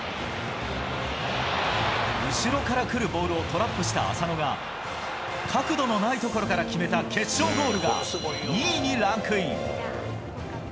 後ろから来るボールをトラップした浅野が、角度のない所から決めた決勝ゴールが２位にランクイン。